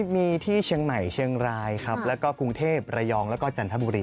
มีที่เชียงใหม่เชียงรายครับแล้วก็กรุงเทพระยองแล้วก็จันทบุรี